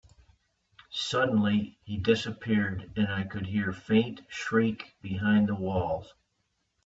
Suddenly, he disappeared, and I could hear a faint shriek behind the walls.